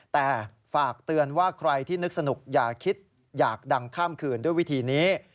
แต่ฝากเตือนว่าใครที่นึกสนุกอย่าคิดอยากดังข้ามคืนด้วยวิธีนี้